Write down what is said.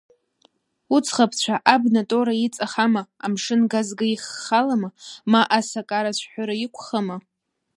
Уӡӷабцәа абна тоура иҵахама, амшын газга иххалама, ма асакара цәҳәыра иқухама?